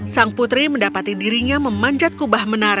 sang putri mendapati dirinya memanjat kubah menara